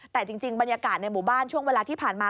แต่จริงบรรยากาศในหมู่บ้านช่วงเวลาที่ผ่านมา